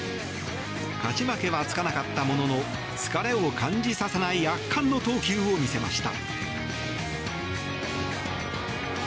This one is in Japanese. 勝ち負けはつかなかったものの疲れを感じさせない圧巻の投球を見せました。